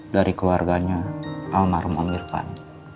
dari keluarganya almarhum amir khan